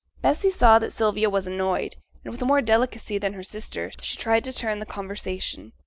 Bessy saw that Sylvia was annoyed, and, with more delicacy than her sister, she tried to turn the conversation.